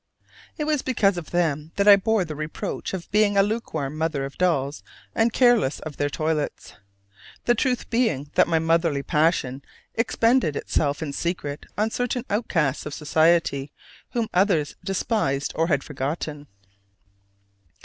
It was because of them that I bore the reproach of being but a lukewarm mother of dolls and careless of their toilets; the truth being that my motherly passion expended itself in secret on certain outcasts of society whom others despised or had forgotten.